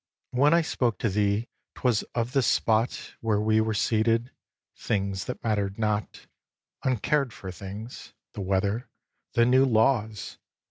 And when I spoke to thee 'twas of the spot Where we were seated, things that matter'd not, Uncared for things, the weather, the new laws!